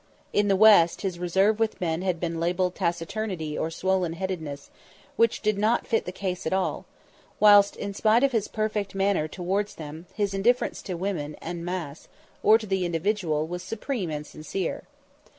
In the West, his reserve with men had been labelled taciturnity or swollen headeduess, which did not fit the case at all; whilst, in spite of his perfect manner towards them, his indifference to woman en masse or in the individual was supreme and sincere.